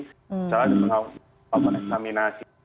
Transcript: misalnya kita mau melakukan eksaminasi